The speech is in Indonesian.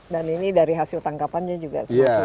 dan ini dari hasil tangkapannya juga semakin meningkat